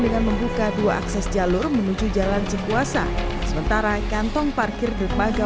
dengan membuka dua akses jalur menuju jalan cipuasa sementara kantong parkir dermaga